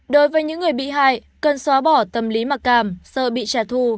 đối với những người bị hại cần xóa bỏ tâm lý mặc cảm sợ bị trả thù